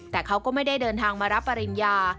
แต่เขาก็ไม่ได้เดินทางมารับปริญญา